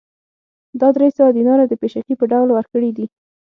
دا درې سوه دیناره د پېشکي په ډول ورکړي دي